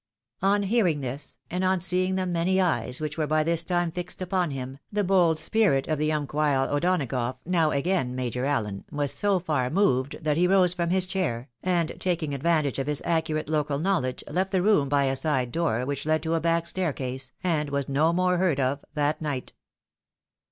On hearing this, and on seeing the many eyes which were X 370 THE WIDOW MARRIED. by this time fixed upon him, the bold spirit of the umquhile O'Donagough, now again Major Allen, was so far moved that he rose from his chair, and taking advantage of his accurate local knowledge, left the room by a side door which led to a back staircase, and was no more heard of that night.